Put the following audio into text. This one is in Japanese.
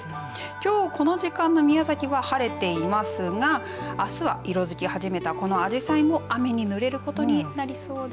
きょうこの時間の宮崎は晴れていますがあすは、色づき始めたこのあじさいも雨にぬれることになりそうです。